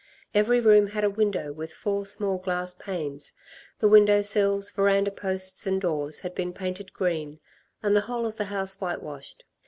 Every room had a window with four small glass panes. The window sills, verandah posts and doors had been painted green, and the whole of the house whitewashed.